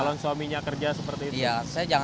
calon suaminya kerja seperti itu